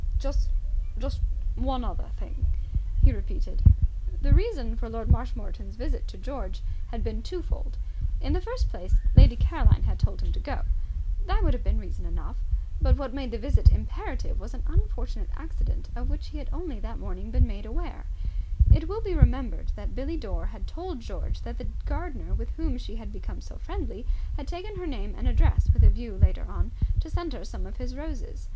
"Just just one other thing," he repeated. The reason for Lord Marshmoreton's visit to George had been twofold. In the first place, Lady Caroline had told him to go. That would have been reason enough. But what made the visit imperative was an unfortunate accident of which he had only that morning been made aware. It will be remembered that Billie Dore had told George that the gardener with whom she had become so friendly had taken her name and address with a view later on to send her some of his roses.